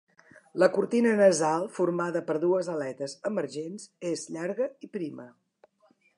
La cortina nasal, formada per dues aletes emergents, és llarga i prima.